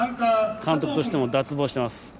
監督としても脱帽しています。